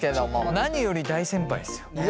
何より大先輩ですよ。